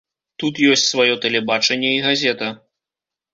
Тут ёсць сваё тэлебачанне і газета.